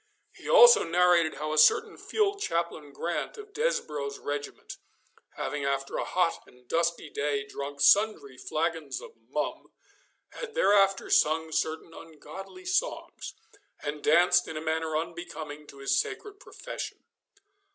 He also narrated how a certain field chaplain Grant, of Desborough's regiment, having after a hot and dusty day drunk sundry flagons of mum, had thereafter sung certain ungodly songs, and danced in a manner unbecoming to his sacred profession.